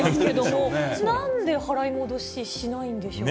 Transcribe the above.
なんで払い戻ししないんでしょうか。